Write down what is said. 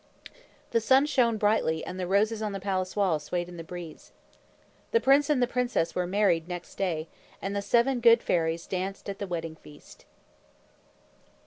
The sun shone brightly, and the roses on the palace wall swayed in the breeze. The prince and the princess were married next day, and the seven good fairies danced at the wedding feast.